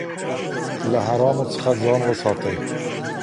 له حرامو څخه ځان وساتئ.